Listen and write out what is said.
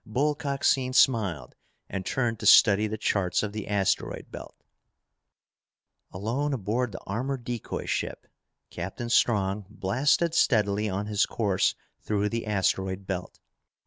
Bull Coxine smiled and turned to study the charts of the asteroid belt. Alone aboard the armored decoy ship, Captain Strong blasted steadily on his course through the asteroid belt.